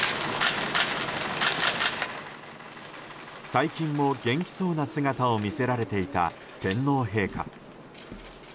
最近も元気そうな姿を見せられていた天皇陛下。